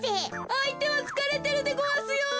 あいてはつかれてるでごわすよ。